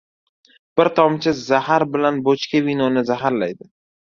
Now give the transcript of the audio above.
• Bir tomchi zahar bir bochka vinoni zaharlaydi.